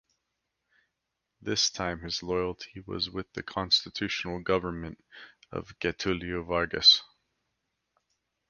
This time his loyalty was with the constitutional government of Getulio Vargas.